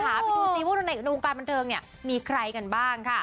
ไปดูสิว่าวันนี้ในวงการบรรเทิงเนี่ยมีใครหละกันบ้างค่ะ